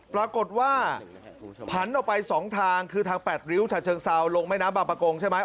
ปรากฏว่าผันออกไป๒ทางคือทาง๘ริ้วฉะเชิงเซาลงแม่น้ำบางประกงใช่ไหม